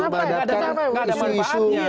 berdebatan seperti itu ya